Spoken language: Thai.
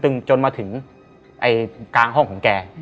ซึ่งจนมาถึงกลางห้องของแก